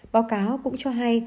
báo cáo cũng cho hay